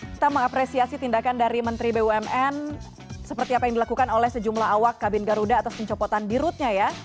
kita mengapresiasi tindakan dari menteri bumn seperti apa yang dilakukan oleh sejumlah awak kabin garuda atas pencopotan di rutnya ya